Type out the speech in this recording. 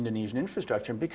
dalam infrastruktur indonesia